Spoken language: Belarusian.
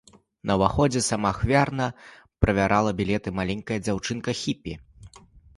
На ўваходзе самаахвярна правярала білеты маленькая дзяўчынка-хіпі.